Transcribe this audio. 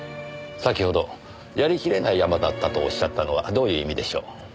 先ほどやりきれないヤマだったとおっしゃったのはどういう意味でしょう？